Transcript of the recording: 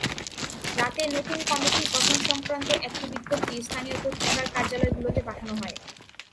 রাতে নতুন কমিটি গঠনসংক্রান্ত একটি বিজ্ঞপ্তি স্থানীয় পত্রিকার কার্যালয়গুলোতে পাঠানো হয়।